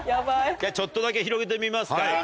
ちょっとだけ広げてみますか。